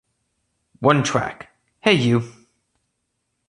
One track, Hey You!!!